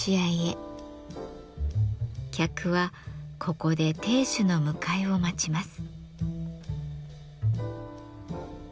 客はここで亭主の迎えを待ちます。